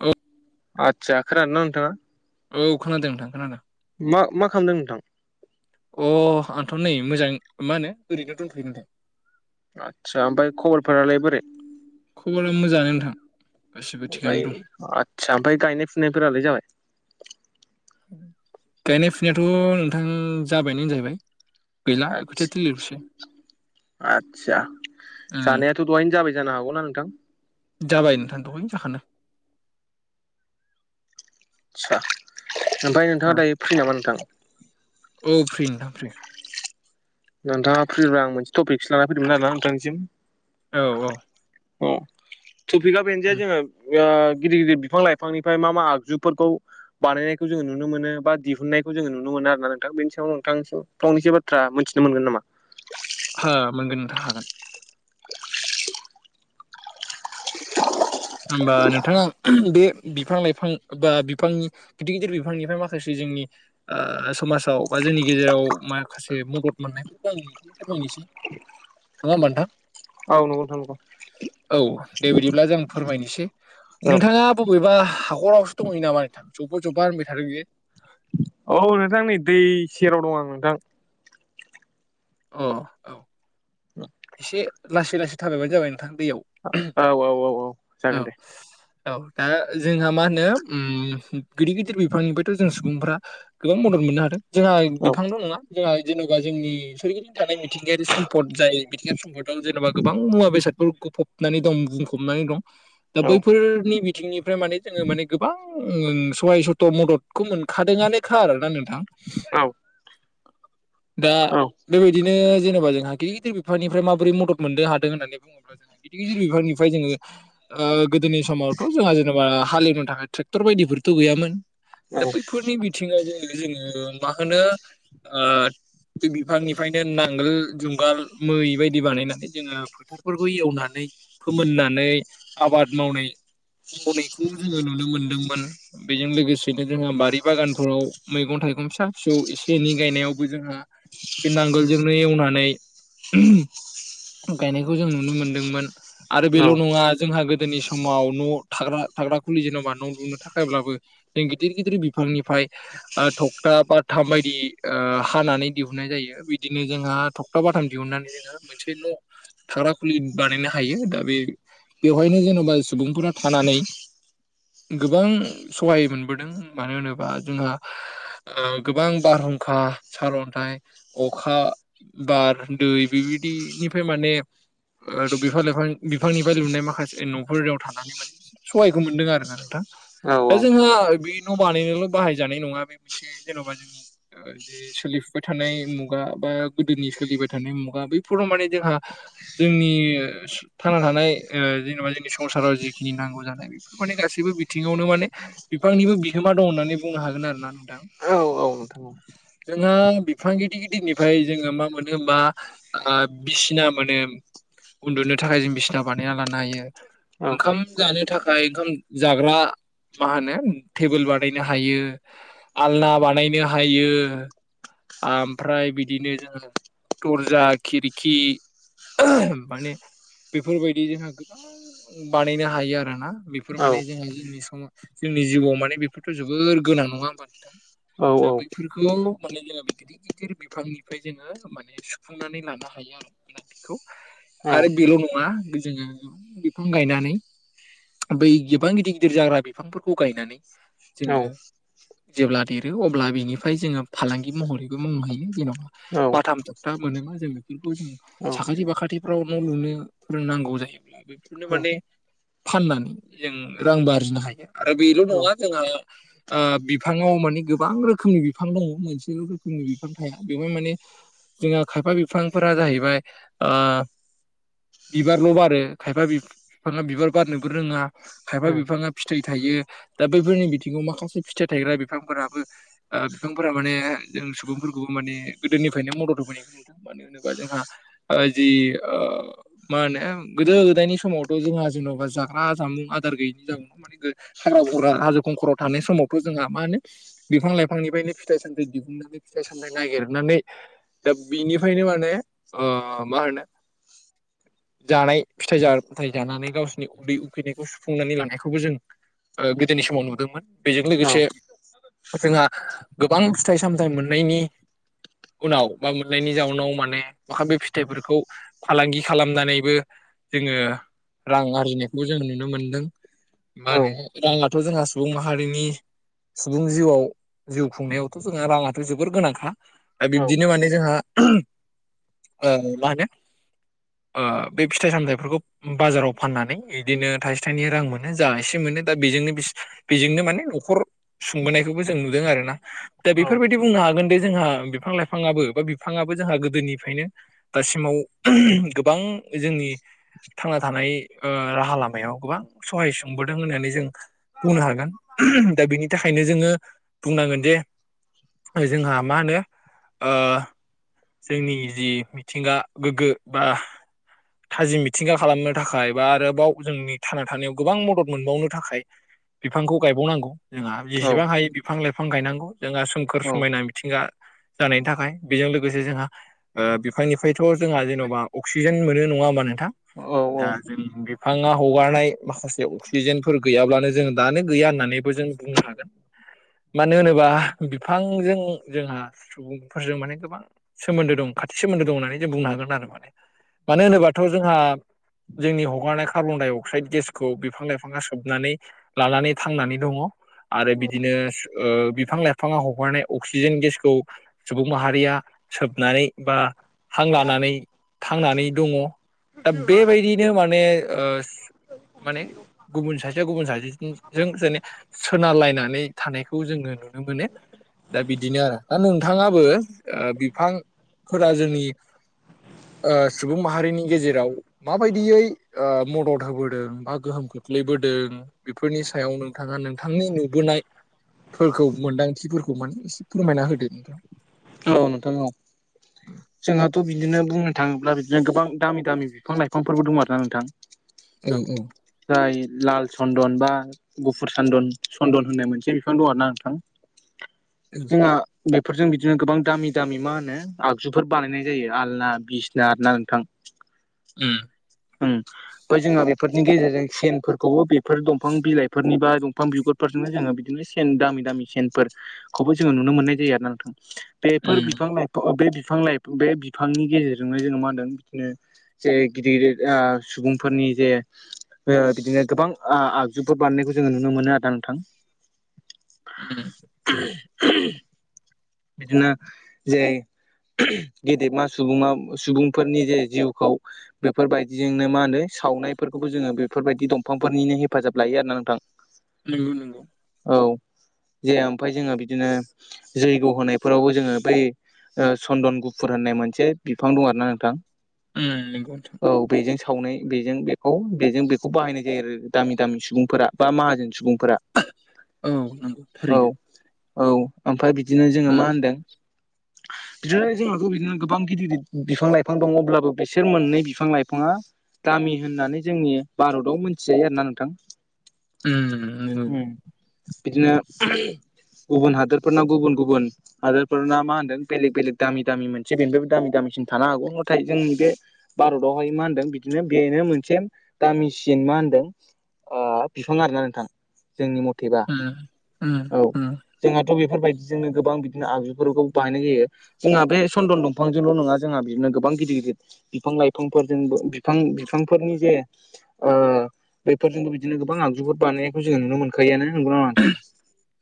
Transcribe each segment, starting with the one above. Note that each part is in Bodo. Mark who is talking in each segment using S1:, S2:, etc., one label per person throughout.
S1: औत
S2: आच्छा खोनादोंना नोंथांङा?
S1: औ खोनादों नोंथां खोनादों
S2: मा मा खामदों नोंथां?
S1: अ आंथ' नै मोजां मा होनो ओरैनो दोंथयो नोंथां।
S2: आतसा ओमफाय खबरफोरालाय बोरै?
S1: खबरा मोजाङानो नोंथां। गासिबो
S2: ओमफाय
S1: थिगानो दं
S2: आतचाओमफाय गायनाय फुनायफोरालाय जाबाय?
S1: गायनाय फुनायाथ' नोंथां जाबायनो होनजायबाय
S2: आतस आतचा
S1: उम
S2: जानाय थो दहायनो जाबाय जानो हागौ ना नोंथां?
S1: जाबाय नोंथां दहायनो जाखानदो
S2: च्छा ओमफाय नोंथाङा
S1: औ
S2: दायो फ्रिनामा नोंथां?
S1: औ फ्रि नोंथां फ्रि
S2: नोंथाङा फ्रिबा आं मोनसे टपिकसो लानानै फैदोंमोन आरो नोंथांसिम
S1: औ औ
S2: औ टफिखा बेनो‌ जे जोंओ [unintelligible] गिदिर गिदिर बिफां लाइफांनिफ्राय मा मा आगजुफोरखौ बानायनायखौ जोङो नुनो मोनो बा दिहुननायखौ जोङो नुनो मोनो आरो ना नोंथां बेनि सायाव नोंथांनिसिम फंनैसो बाथ्रा मोनथि मोनगोन नामा?
S1: हा मोनगोन नोंथां हागोन। ओमबा नोंथाङा आं [unintelligible] बे बिफां लाइफां बा बिफां गिदिर गिदिर बिफांनिफ्राय माखासे जोंनि ओ समाजाव बा जोंनि गेजेराव माखासे मदद मोननायफोरखौ कम [unintelligible] इसे नङा ओमबा नोंथां
S2: औ नंगौ नोंथां नंगौ
S1: औ दे बिदिब्ला जों फोरमायनोसै
S2: औ
S1: नोंथाङा बबेबा हाखरावसो दङैयो नामा नोंथां जब्ब जब्बा होनबाय थादों जि?
S2: औ नोंथां नै दै सेराव दं आं नोंथां
S1: अ औ एसे लासै लासै थाबायबानो जाबाय नोंथां दैयाव
S2: ओ औ औ औ औ
S1: औ
S2: जागोन दे
S1: औ दा जोंहा मा होनो उम गिदिर गिदिर बिफांनिफ्रायथ' जों सुबुंफ्रा गोबां मदद मोननो हादों। जोंहा
S2: औ
S1: बिफांल' नङा जोंहा जेन'बा जोंनि सरगिदिं थानाय मिथिंगायारि सम्पद जाय मिथिंगायारि सम्पद जेनेबा गोबां मुवा बेसादफोर फबनानै दं बुंफबनानै दं दा
S2: औ
S1: बैफोरनि बि बिथिंनिफ्राय माने जोङो माने गोबां सहाय सथ' मदद खौ मोनखादोंआनोखा आरोना नोंथां।
S2: औ
S1: दा
S2: औ
S1: बेबायदिनो जेनेबा जोंहा गिदिर गिदिर बिफांनिफ्राय माबोरै मदद मोननो हादों होननानै बुङोब्ला गिदिर गिदिर बिफांनिफ्राय जोङो ओ गोदोनि समावथ' जोंहा जेनेबा हालेवनो थाखाय ट्रेक्टर बायदिफोरथ' गैयामोन। दा बैफोरनि बिथिङावबो जोङो मा होनो ओ बे बिफांनिफ्रायनो नांगोल जुंगाल मै बायदि बानायनानै जोङो फोरखौ एवनानै फोमोननानै आबाद मावनाय मावनायखौ जोङो नुनो मोनदोंमोन। बेजों लोगोसेनो जोंहा बारि बागानफोराव मैगं थाइगं फिसा फिसौ एसे एनै गायनायावबो जोंहा बे नांगोलजोंनो एवनानै गायनायखौ जों नुनो मोनदोंमोन। आरो बेल' नङा जोंहा गोदोनि सम समाव न' थाग्रा थाग्रा खुलि जेन'बा न' लुनो थाखायब्लाबो जों गिदिर गिदिर बिफांनिफ्राय ओ थखथा बाथाम बायदि ओ हानानै दिहुननाय जायो। बिदिनो जोंहा थखथा बाथाम दिहुननानै जोङो मोनसे न' थाग्राखुलि बानायनो हायो। दा बे बेवहायनो जेन'बा सुबुंफोरा थानानै गोबां सहाय मोनबोदों। मानो होनोबा जोंहा ओ गोबां बारहुंखा सारअन्थाइ अखा बार दै बेबायदिनिफाय माने ओ द' बिफां लाइफां बिफांनिफाय लुनाय माखासे न'फोराव थानानै माने सहायखौ मोन्दों आरोना नोंथां।
S2: औ औ
S1: दा जोंहा बे न' बानायनायावल' बाहायजानाय नङा बे मोनसे जेन'बा जोंनि ओ जे सोलिफुबाय थानाय मु गा बा गोदोनि सोलिबाय थानाय मुगा बेैफोराव माने जोंहा जोंनि थांना थानाय ओ‌ जेन'बा जोंनि संसाराव जिखिनि नांगौ जानाय इफोर माने गासैबो बिथिङावनो माने बिफांनिबो बिहोमा दं होननानै बुंनो हागोन आरोना नोंथां।
S2: औ औ औ नोंथां औ।
S1: जोंहा बिफां गिदिर गिदिर दिननिफाय जोङो मा मोनो होमबा ओ बिसिना मोनो। उन्दुनो थाखाय जों बिसिना बानायना लानो हायो।
S2: औ
S1: ओंखाम जानो थाखाय ओंखाम जाग्रा मा होनो टेबोल बानायनो हायो आलना बानायनो हायो। आमफ्राय बिदिनो जोङो दर्जा खिरखि माने बेफोरबायदि जोंहा गोबां बानायनो हायो आरोना। बेफोर
S2: औ
S1: माने जोंहा जोंनि सम जोंनि जिउआव माने बेफोरथ' जोबोर गोनां नङा होमबा नोंथां? दा बैफोरखौ माने जोङा बेखोदि गिदिर बिफांनिफ्राय जोङो माने सुफुंनानै लानो हायो आरो। ना बिखौ आरो बेल' नङा बिजोङो बिफां गायनानै बै गिबां गिदिर गिदिर जाग्रा बिफांफोरखौ गायनानै जोङो जेब्ला देरो अब्ला बेनिफाय जोङो फालांगि महरैबो मावनो हायो। जेन'बा बाथाम थ'खथा मोनो [inaudible] जों बेफोरखौ जों
S2: औ
S1: साखाथि बाखाथिफ्राव न' लुनो फोरोंनांगौ जायोब्ला
S2: औ
S1: बेफोरनो माने फाननानै जों रांबो आरजिनो हायो। आरो
S2: औ
S1: बेल'
S2: औ
S1: नङा जोंहा ओ बिफाङाव माने गोबां रोखोमनि बिफां दङ'। मोनसेल' [unintelligible] नि बिफां थाया। बेवहाय माने जोंहा खायफा बिफांफोरा जाहैबाय ओ बिबारल' बारो खायफा बिफाङा बिबार बारनोबो रोङा। खायफा बिफाङा फिथाइ थायो। दा बैफोरनि बिथिङाव माखासे फिथाइ थायग्रा बिफांफोराबो ओ बिफांफोरा माने जों सुबुंफोरखौबो माने गोदोनिफायनो मदद होबोनायखौ नुदों। मानो होनोबा जोंहा ओ जि ओ मा होनो गोदो गोदायनि समावथ' जोंहा जेन'बा जाग्रा जामुं आदार गैयिनि जाउनाव मानि गो हाग्रा फग्रा हाजो खंखराव थानाय समावथ' जोंहा मा होनो बिफां लाइफांनिफायनो फिथाइ सामथाइ दिहुननानै फिथाइ सामथाइ नागिरनानै दा बिनिफायनो माने ओ मा होनो जानाय फिथाइ जा थाय जानानै गावसनि उदै उखैनायखौ सुफुंनानै लानायखौबो जों ओ गोदोनि समाव नुदोंमोन। बेजों लोगोसे जोंहा गोबां फिथाइ सामथाइ मोननायनि उनाव बा मोननायनि जाउनाव माने माखा बे फिथाइफोरखौ फालांगि खालामनानैबो जोङो रां आरजिनायखौबो जोङो नुनो मोनदों। मा होनो राङाथ' जोंहा सुबुं माहारिनि सुबुं जिउआव जिउ खुंनायाव थ' जोंङा राङाथ' जोबोर गोनांखा। दा बिब्दिनो माने जोंहा ओ मा होनो ओ बे फिथाइ सामथाइफोरखौ उम बाजाराव फाननानै बिदिनो थाइसे थाइनै रां मोनो। जा एसे मोनो दा बेजोंनो बेजोंनो माने न'खर सुंबोनायखोबो जों नुदों आरोना। दा बेफोरबायदि बुंनो हागोन दे जोंहा बिफां लाइफाङाबो बा बिफाङाबो जोंहा गोदोनिफायनो दासिमाव गोबां जोंनि थांना थानाय राहा लामायाव गोबां सहाय सोंबोदों होननानै जों बुंनो हागोन दा बिनि थाखायनो जोङो बुंनांगोन जे जोंहा मा होनो जोंनि जि मिथिंगा गोग्गो बा थाजिम मिथिंगा खालामनो थाखाय बा आरोबाव जोंनि थांना थानायाव गोबां मदद मोनबावनो थाखाय बिफांखौ गायबावनांगौ जोंहा जेसेबां हायो बिफां लाइफां गायनांगौ जोंहा सोमखोर समायना मिथिंगा जानायनि थाखाय बेजों लोगोसे जोंहा बिफांनिफ्रायथ' जोंहा जेन'बा अक्सिजेन मोनो नङा होमबा नोंथां दा जों बिफाङा हगारनाय माखासे अक्सिजेनफोर गैयाब्लानो जों दानो गैया होननानै खौ जों बुंनो हागोन मानो होनोबा बिफांजों जोंहा सुबुंफोरजों माने गोबां सोमोन्दो दं खाथि सोमोन्दो दं होननानै जों बुंनो हागोन आरो माने मानो होनोबाथ' जोंहा जोंनि हगारनाय कार्बन डाइ अक्साइद गेसखौ बिफां लाइफाङा सोबनानै लानानै थांनानै दङ आरो बिदिनो बिफां लाइफां बिफाङा हगारनाय अक्सिजेन गेसखौ सुबुं माहारिया सोबनानै बा हां लानानै थांनानै दङ दा बेबायदिनो माने माने गुबुन सासेया गुबुन सासेजों जेने सोनारलायनानै थानायखौ जोङो नुनो मोनो दा बिदिनो आरो दा नोंथाङाबो बिफांफोरा जोंनि सुबुं माहारिनि गेजेराव माबायदियै मदद होबोदों बा गोहोम खोख्लैबोदों बेफोरनि सायाव नोंथाङा नोंथांनि नुबोनायफोरखौ मोनदांथि खथिफोरखौ माने एसे फोरमायना होदो नोंथां
S2: औ नोंथां औ जोंहाथ' बिदिनो बुंनो थाङोब्ला बिदिनो गोबां दामि दामि बिफां लाइफांफोरबो दं आर ना नोंथां [unintelligible]
S1: औं औ
S2: जाय लाल चन्दन बा गुफुर सदन चन्दन होननाय मोनसे बिफां दं आर ना नोंथां
S1: [unintelligible]
S2: जोंहा बेफोरजों बि जोङ गोबां दामि दामि मा होनो आगजुफोर बानायनाय जायो आलना बिसना ना नोंथां
S1: उम
S2: औ बा जोंहा बेफोरनि गेजेरजों सेनफोरखौबो बेफोर दंफां बिलाइफोरनि बा दंफां बिगुर फोरजोंनो जोङो बिदिनो सेन दामि दामि सेनफोरखौबो जोङो नुनो मोननाय जायो आरो नोंथां
S1: उम
S2: बेफोर बिफां लाइफां बे बिफां लाइां बे बिफांनि गेजेरजोंनो जोङो मा होनदों बिदिनो जे गिदिर गिदिर सुबुंफोरनि जे बिदिनो गोबां आगजुफोर बानायनायखौ जोङो नुनो मोनो आदा नोंथां
S1: उम
S2: बिदिनो ज गेदेमा सुबङा सुबुंफोरनि जे जिउखौ बेफोरबायदिजोंनो मा होनो सावनायफोरखौबो जोङो बेफोरबायदि दंफांफोरनिनो हेफाजाब लायो आरो ना नोंथां औ
S1: नंगौ नंगौ
S2: औ जाया ओमफ्राय जोङो बिदिनो जै गौ होनायफोरावबो जोङो बै सन्दन गुफुर होननाय मोनसे बिफां दं आरो ना नोंथां
S1: ेंथ
S2: औ बेजों सावनाय बेजों बेखौ बेजों बेखौ बाहायनाय जायो आरो दामि दामि सुबुंफोरा बा माहाजोन सुबुंफोरा
S1: औ नंगौ
S2: औ
S1: थारैनो
S2: औ ओमफ्राय बिदिनो जोङो मा होनदों बिदिनो जोंह' बिदिनो गोबां गिदिर गिदिर बिफां लाइफां दङ अब्लाबो बिसोर मोननै बिफां लाइफाङा दामि होननानै जोंनि भारताव मोनथिजायो आरो ना नोंथां
S1: उम नंगौ उम
S2: बिदिनो गुबुन हादोरफोरनाव गुबुन गुबुन हदारफोरना मा होन्दों बेलेग बेलेग दामि दामि मोनसे बेनिबायबो दामि दामिसिन थानो हागौ नाथाय जों बे भारतावहाय मा होनदों बिदिनो बेनो मोनसे दामिसिन मा होनदों बिफां आरोना नोंथां जोंनि मथेबा
S1: उम
S2: औ
S1: उम
S2: जोंहाथ' बेफोरबायदि जोङो गोबां बिदिनो आगजुफोरखौ बाहायनाय जायो जोंहा बे चन्दन दंफांजोंल' नङा जोंहा बिदिनो गोबां गिदिर गिदिर बिफां लाइफांफोरजोंबो बिफां बिफांफोरनि जे बेफोरजोंबो बिदिनो गोबां आगजुफोर बानायनायखौ जोङो नुनो मोनो गैयानो नोंगौना लाथों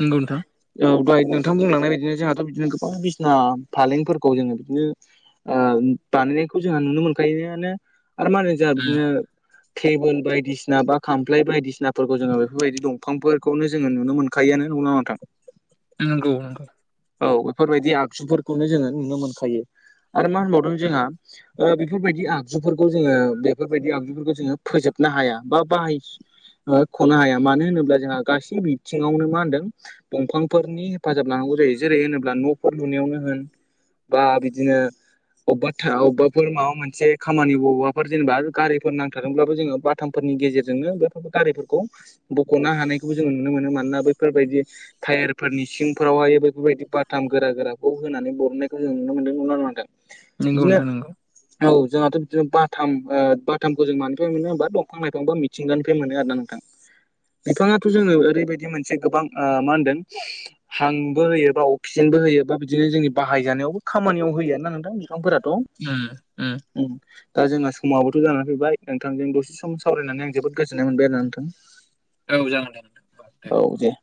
S1: नंगौ नोंथां
S2: मथां बुंलांनाय बायदिनो जोंहाथ' बिदिनो गोबां बिसिना फालेंफोरखौ जोङो बिदिनो बानायनायखौ जोंहा नुनो मोनखायोानो आरो मा होनो जोंहा
S1: उम
S2: बिदिनो टेबोल बायदिसिना बा खामफ्लाय बायदिसिनाफोरखौ जोङो बेफोरबायदि दंफांफोरखौनो जोङो नुनो मोन खाययाानोनो नुां नां
S1: नंगौ नगौ
S2: औ बेफोरबायदि आगजुफोरखौनो जोङो नुनो मोनखायो आरो मा होनबावदों जोंहा बेफोरबायदि आगजुफोरखौ जोङो बेफोरबायदि आगजुफोरखौ जोङो फोजोबनो हाया बा बाहाय खनो हाया मानो होनोब्ला जोंहा गासै बिथिङावनो मा होनदों दंफांफोरनि हेफाजाब लानांगौ जायो जेरै होनोब्ला न'फोर लुनायावनो होन बा बिदिनो अबेबा थ अबाफोर माबा मोनसे खामानि बबेबाफोर जेनेबा गारिफोर नांथारादोंब्लाबो जो ब दुथांफोरनि गेजेरजोंनो बेफोर गारिफोरखौ बख'नो हानायखौबो जोङो नुनो मोनो मानोना बैफोरबायदि टायारफोरनिसिम फोरावहाय बेफोरबायदि बाथाम गोरा गोराखौ होनानै बरहनायखौ जों नुनो मोनदों नुनो न मोन्दों
S1: नंगौ
S2: बिदिनो
S1: नोंथां नंगौ
S2: औ जोंहाथ' बिदिनो बाथाम बाथामखौ जों मानि मोनो हबा दंफां लाइफां बा सििगनिफ्राय मोनो आर ना नोंथां बिफाङाथ' जोङो ओरैबायदि मोनसे गोबां मा होनदों हांबो होयोबा अक्सिजेनबो होयो बा बिदिनो जोंनि बाहायजानायावबो खामानियाव होय ना नोंथां बिफांफोराथ'
S1: [unintelligible]
S2: उ दा जोंना समाबोथ' जानानै फैबाय नोंथांजों दसे सम सावरायनानै आं जोबोद गोजोननाय मोनबाय आरोा नोंथां
S1: औ जागोन जागोन
S2: औ दे